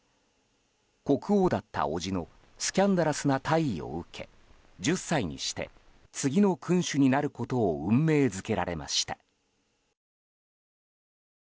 国王だった伯父のスキャンダラスな退位を受け１０歳にして次の君主になることを運命づけられました。